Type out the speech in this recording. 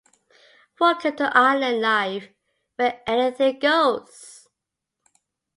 Welcome to island life where anything goes!